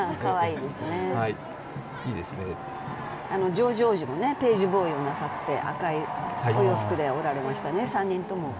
ジョージ王子もページボーイをなさって赤いお洋服でいましたね。